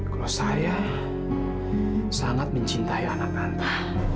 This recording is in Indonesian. kalau saya sangat mencintai anak anak